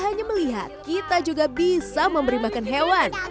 hanya melihat kita juga bisa memberi makan hewan